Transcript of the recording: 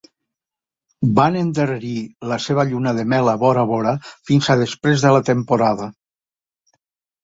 Van endarrerir la seva lluna de mel a Bora Bora fins a després de la temporada.